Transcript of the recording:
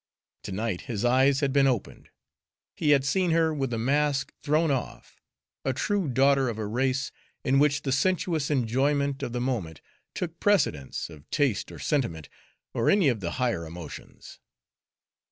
To night his eyes had been opened he had seen her with the mask thrown off, a true daughter of a race in which the sensuous enjoyment of the moment took precedence of taste or sentiment or any of the higher emotions.